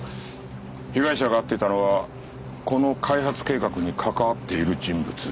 被害者が会っていたのはこの開発計画に関わっている人物。